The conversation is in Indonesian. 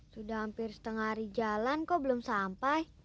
sudah hampir setengah hari jalan kok belum sampai